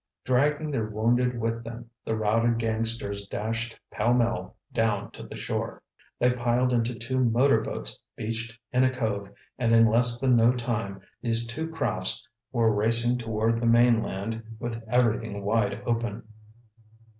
Dragging their wounded with them, the routed gangsters dashed pell mell down to the shore. They piled into two motorboats beached in a cove and in less than no time, these two crafts were racing toward the mainland with everything wide open.